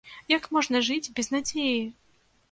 Як можна жыць без надзеі?!